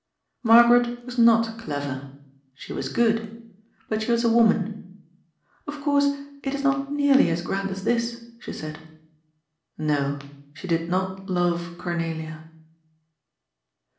Margaret was not clever. She was good. But she was a woman. '^ Of course it is not nearly as grand as this," she said. No, she did not love Cornelia.